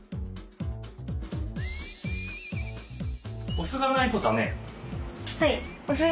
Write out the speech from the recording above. お酢がないとだめ？